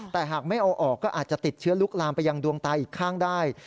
แต่หากไม่เอาออกก็อาจจะติดเชื้อลุกลามไปยังดวงตาอีกข้างได้